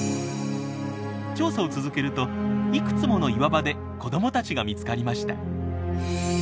調査を続けるといくつもの岩場で子どもたちが見つかりました！